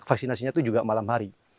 vaksinasinya itu juga malam hari